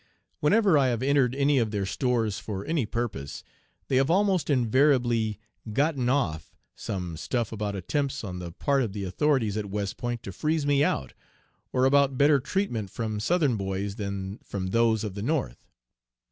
Whenever I have entered any of their stores for any purpose, they have almost invariably "gotten off" some stuff about attempts on the part of the authorities at West Point to "freeze me out," or about better treatment from Southern boys than from those of the North.